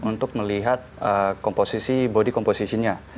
untuk melihat komposisi body compositionnya